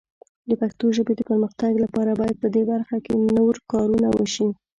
د پښتو ژبې د پرمختګ لپاره باید په دې برخه کې نور کارونه وشي.